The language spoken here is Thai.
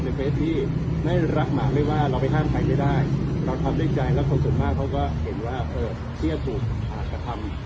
อย่ามาเป็นแอนตรี่มาสอบควร